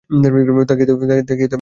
তাকিয়ে থাকার মতো কিছু নেই।